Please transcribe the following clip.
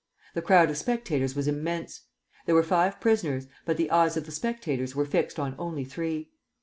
The crowd of spectators was immense. There were five prisoners, but the eyes of the spectators were fixed on only three.